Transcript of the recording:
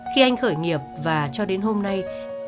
khi anh khởi nghiệp và cho đến hôm nay